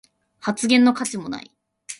発言の価値もない